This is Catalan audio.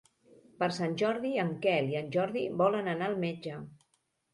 Per Sant Jordi en Quel i en Jordi volen anar al metge.